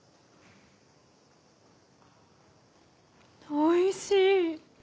おいしい！